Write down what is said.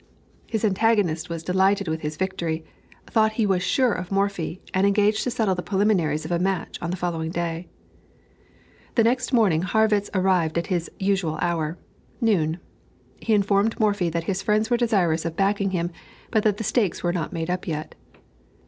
His antagonist was delighted with his victory, thought he was sure of Morphy, and engaged to settle the preliminaries of a match on the following day. The next morning Harrwitz arrived at his usual hour noon. He informed Morphy that his friends were desirous of backing him, but that the stakes were not made up yet.